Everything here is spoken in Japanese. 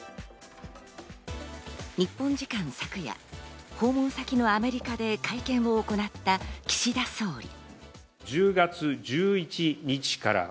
日本時間の昨夜、訪問先のアメリカで会見を行った岸田総理。